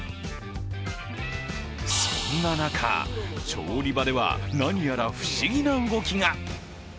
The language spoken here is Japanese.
そんな中、調理場では何やら、不思議な動きが。